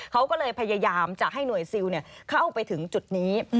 เขาก็เลยพยายามจะให้หน่วยซิลเข้าไปถึงจุดนี้